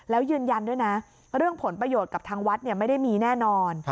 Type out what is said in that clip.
แล้วยืนยันด้วยนะเรื่องผลประโยชน์กับทางวัดไม่ได้มีแน่นอน